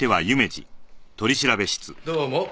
どうも。